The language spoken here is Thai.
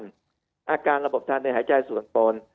ในการระบบทานในหายใจส่วนตน